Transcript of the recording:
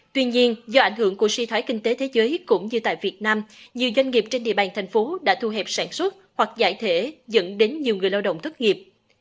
tuy nhiên do ảnh hưởng của si thoái kinh tế thế giới cũng như tại việt nam nhiều doanh nghiệp trên địa bàn thành phố đã thu hẹp sản xuất hoặc giải thể dẫn đến nhiều người lao động thất nghiệp